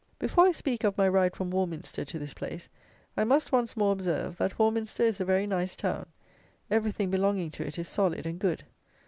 Before I speak of my ride from Warminster to this place, I must once more observe, that Warminster is a very nice town; everything belonging to it is solid and good.